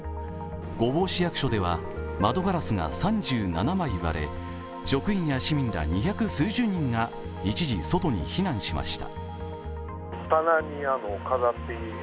御坊市役所では窓ガラスが３７枚割れ、職員や市民ら二百数十人が一時、外に避難しました。